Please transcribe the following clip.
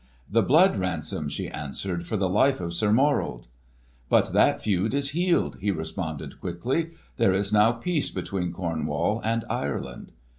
"The blood ransom," she answered, "for the life of Sir Morold!" "But that feud is healed!" he responded quickly. "There is now peace between Cornwall and Ireland."